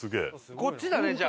こっちだねじゃあ。